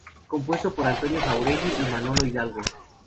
Compuesto por Antonio Jáuregui y Manolo Hidalgo.